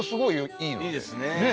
いいですねえ。